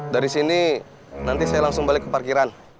dari sini nanti saya langsung balik ke parkiran